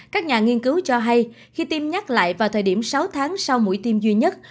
các nhà nghiên cứu cho hay khi tiêm nhắc lại vào thời điểm sáu tháng sau mũi tiêm duy nhất